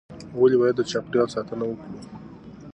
ولې باید د چاپیریال ساتنه وکړو؟